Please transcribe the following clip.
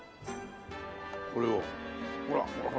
これをほらほら